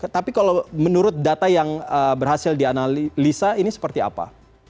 tapi kalau menurut data yang berhasil dianalisa ini seperti apa